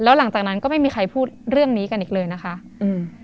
แล้วหลังจากนั้นก็ไม่มีใครพูดเรื่องนี้กันอีกเลยนะคะอืม